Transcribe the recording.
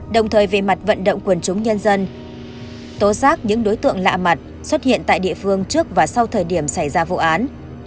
đồng thời về mặt vận động quần chúng nhân dân tố giác những đối tượng lạ mặt xuất hiện tại địa phương trước và sau thời điểm xảy ra vụ án